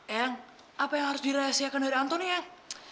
eyang apa yang harus dirahasiakan dari antoni eyang